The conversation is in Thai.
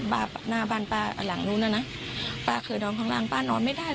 หน้าบ้านป้าหลังนู้นน่ะนะป้าเคยนอนข้างล่างป้านอนไม่ได้